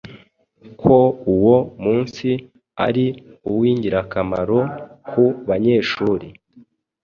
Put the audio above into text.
ko uwo munsi ari uw’ingirakamaro ku banyeshuri